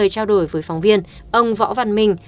trao đổi với phóng viên ông võ văn minh